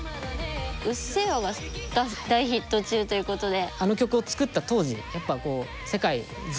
「うっせぇわ」が大ヒット中ということで。